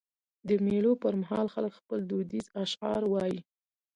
د مېلو پر مهال خلک خپل دودیز اشعار وايي.